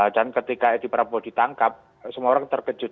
dan ketika odt prabowo ditangkap semua orang terkejut